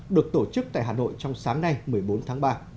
được tổ chức tại hà nội trong sáng nay một mươi bốn tháng ba